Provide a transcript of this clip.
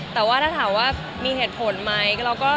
แต่ว่าถ้าถามว่ามีเหตุผลไหม